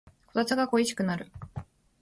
こたつが恋しくなる